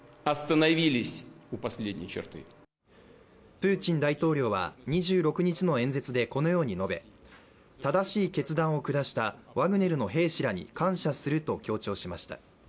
プーチン大統領は２６日の演説でこのように述べ、正しい決断を下したワグネルの兵士らに感謝すると強調しました。